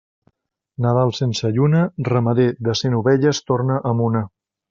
Nadal sense lluna, ramader de cent ovelles torna amb una.